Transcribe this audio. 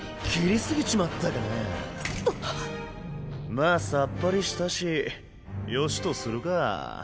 まあさっぱりしたしよしとするかぁ。